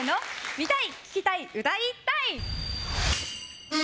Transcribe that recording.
見たい、聴きたい、歌いタイ！